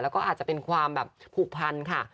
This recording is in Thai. แล้วก็อาจจะเป็นความแบบผูกพันค่ะ